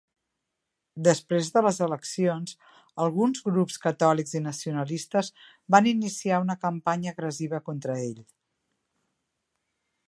Després de les eleccions, alguns grups catòlics i nacionalistes van iniciar una campanya agressiva contra ell.